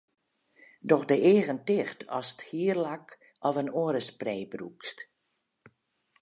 Doch de eagen ticht ast hierlak of in oare spray brûkst.